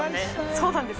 そうなんです。